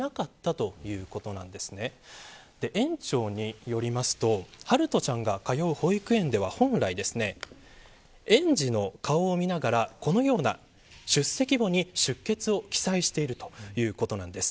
園長によりますと陽翔ちゃんが通う保育園では本来、園児の顔を見ながらこのような出席簿に出席を記載しているということなんです。